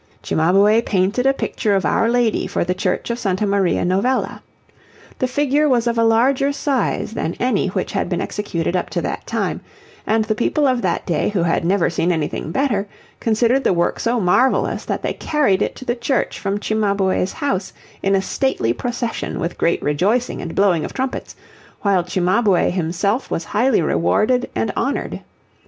Cimabue painted a picture of Our Lady for the church of Santa Maria Novella. The figure was of a larger size than any which had been executed up to that time, and the people of that day who had never seen anything better, considered the work so marvellous that they carried it to the church from Cimabue's house in a stately procession with great rejoicing and blowing of trumpets, while Cimabue himself was highly rewarded and honoured.